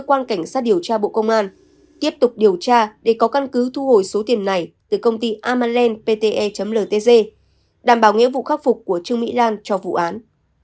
cơ quan cảnh sát điều tra bộ công an tiếp tục điều tra để có căn cứ thu hồi số tiền này từ công ty amalland pte ltg đảm bảo nghĩa vụ khắc phục của trương mỹ lan cho vụ án